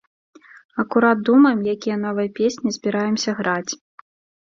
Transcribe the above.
Акурат думаем, якія новыя песні збіраемся граць.